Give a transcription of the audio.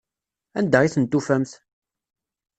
Anda i ten-tufamt?